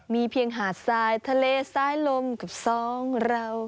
มีเพียงหาดทรายทะเลซ้ายลมกับสองเรา